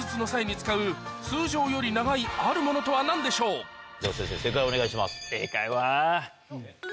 ここででは先生正解をお願いします。